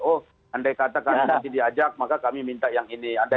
oh andai kata karena masih diajak maka kami minta yang ini